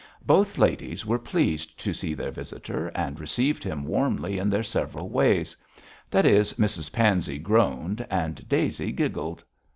Both ladies were pleased to see their visitor and received him warmly in their several ways; that is, Mrs Pansey groaned and Daisy giggled.